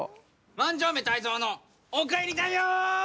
万城目泰造のお帰りだよ！